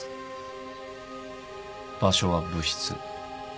場所は部室。